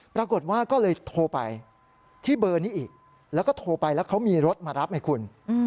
ปรากฏว่าก็เลยโทรไปที่เบอร์นี้อีกแล้วก็โทรไปแล้วเขามีรถมารับให้คุณ